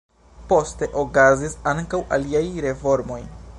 Poste okazis ankaŭ aliaj reformoj.